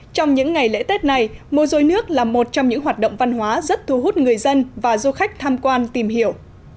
trong những ngày lễ tết này múa dối nước là một trong những hoạt động văn hóa rất thu hút người dân và du khách tham quan tìm hiểu